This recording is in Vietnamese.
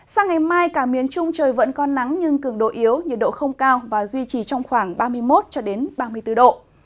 sao ngày mai cả miền trung trời vẫn còn nắng nhưng cường độ yếu nhiệt độ không cao và duy trì trong khoảng ba mươi một cho đến ba mươi bốn độ